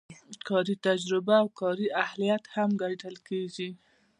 کاري تجربه او کاري اهلیت هم کتل کیږي.